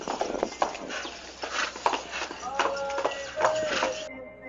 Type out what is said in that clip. ادبي غونډه کي نيوکي وسوې,